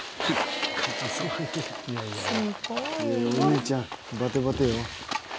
「すごい」「お兄ちゃんバテバテよ」